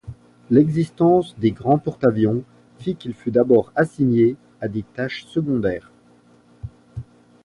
L'existence des grands porte-avions fit qu'il fut d'abord assigné à des tâches secondaires.